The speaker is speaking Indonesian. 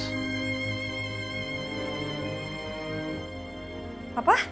dia memang cukup kritis